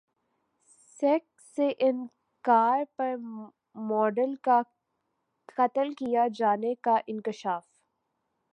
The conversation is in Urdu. سیکس سے انکار پر ماڈل کا قتل کیے جانے کا انکشاف